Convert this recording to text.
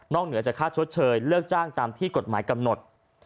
เหนือจากค่าชดเชยเลือกจ้างตามที่กฎหมายกำหนด